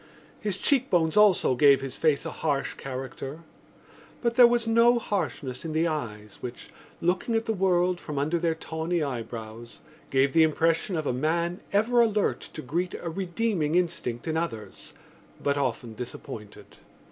His cheekbones also gave his face a harsh character; but there was no harshness in the eyes which, looking at the world from under their tawny eyebrows, gave the impression of a man ever alert to greet a redeeming instinct in others but often disappointed.